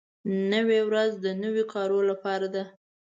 نوې ورځ د نویو کارونو لپاره ده